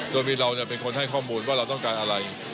โดยมีเราเป็นคนให้ข้อมูลว่าเราต้องการอะไร